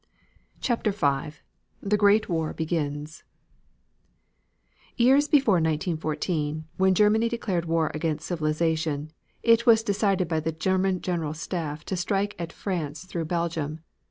CHAPTER V THE GREAT WAR BEGINS Years before 1914, when Germany declared war against civilization, it was decided by the German General Staff to strike at France through Belgium.